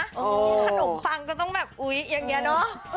กินขนมปังก็ต้องแบบอุ๊ยอย่างนี้เนอะ